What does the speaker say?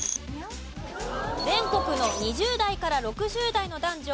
全国の２０代から６０代の男女